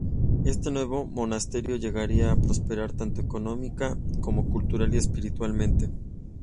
Este nuevo monasterio llegaría a prosperar tanto económica como cultural y espiritualmente.